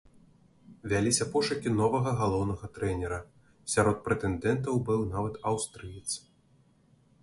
Вяліся пошукі новага галоўнага трэнера, сярод прэтэндэнтаў быў нават аўстрыец.